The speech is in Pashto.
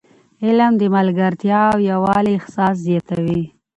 علم د ملګرتیا او یووالي احساس زیاتوي.